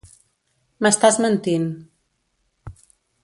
M'estàs mentint.